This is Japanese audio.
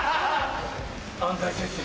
安西先生